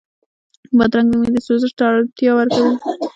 بادرنګ د معدې سوزش ته ارامتیا ورکوي.